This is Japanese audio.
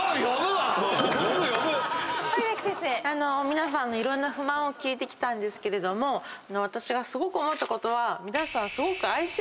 皆さんのいろんな不満を聞いてきたんですけれども私がすごく思ったことは。